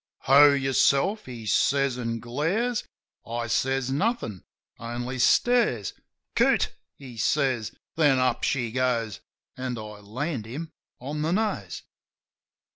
"Ho, yourself !" he says, an' glares. I says nothin' — only stares. "Coot !" says he ... Then up she goes ! An' I land him on the nose.